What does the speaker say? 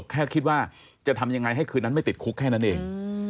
แค่คิดว่าจะทำยังไงให้คืนนั้นไม่ติดคุกแค่นั้นเอง